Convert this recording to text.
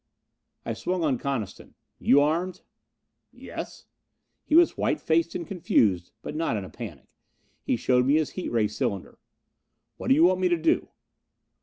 I swung on Coniston. "You armed?" "Yes." He was white faced and confused, but not in a panic. He showed me his heat ray cylinder. "What do you want me to do?"